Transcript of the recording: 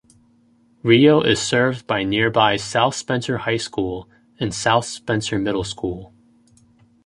Reo is served by nearby South Spencer High School and South Spencer Middle School.